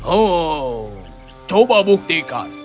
oh coba buktikan